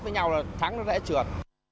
nói nhau là thắng nó rẽ trượt